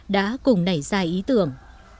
đã cùng nảy ra ý tưởng